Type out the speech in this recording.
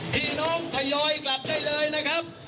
พี่น้องทยอยกลับได้เลยนะครับ